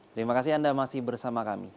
terima kasih anda masih bersama kami